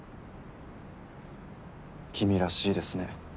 君らしいですね。